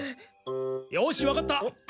よしわかった。